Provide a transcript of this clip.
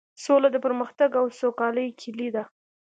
سوله د پرمختګ او سوکالۍ کیلي ده.